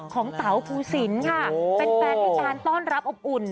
ของเตาภูสินค่ะเป็นแฟนอีสานต้อนรับอบอุ่น